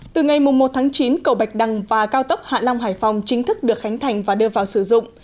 từ ngày một tháng chín cầu bạch đăng và cao tốc hạ long hải phòng chính thức được khánh thành và đưa vào sử dụng